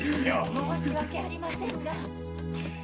申し訳ありませんが。